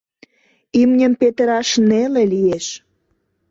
Имньым петыраш неле лиеш.